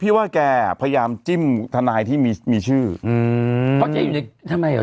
ว่าแกพยายามจิ้มทนายที่มีมีชื่ออืมเพราะแกอยู่ในทำไมเหรอ